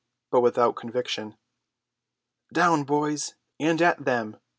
but without conviction. "Down, boys, and at them!"